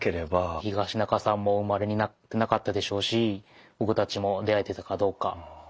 東仲さんもお生まれになってなかったでしょうし僕たちも出会えてたかどうか。